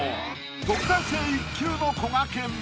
特待生１級のこがけん。